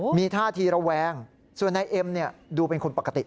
ค่ะมีท่าทีระแวงส่วนในเอ็มเนี่ยดูเป็นคนปกติ